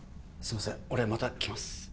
すいません俺また来ます